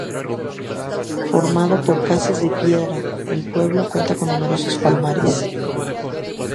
Formado por casas de piedra, el pueblo cuenta con numerosos palomares.